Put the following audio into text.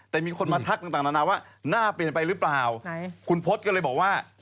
แต่มีคนมาทักต่างว่าหน้าเปลี่ยนไปรึเปล่า